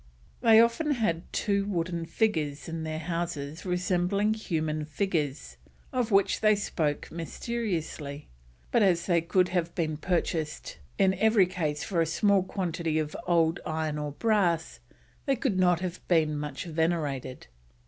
They often had two wooden figures in their houses resembling human figures, of which they spoke mysteriously; but as they could have been purchased in every case for a small quantity of old iron or brass, they could not have been much venerated.